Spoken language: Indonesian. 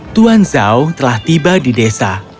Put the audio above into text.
tuan zhao telah tiba di desa